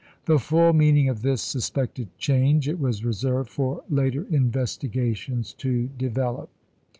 The full meaning of this suspected change it was reserved for later investigations to develop.